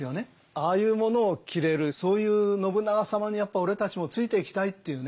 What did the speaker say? ああいうものを着れるそういう信長様にやっぱ俺たちもついていきたいっていうね